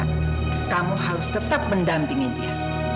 karena kamu harus tetap mendampingi dia